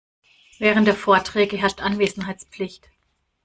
Während der Vorträge herrscht Anwesenheitspflicht.